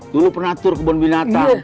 dulu pernah atur kebun binatang